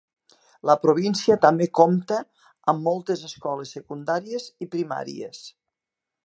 La província també compta amb moltes escoles secundàries i primàries.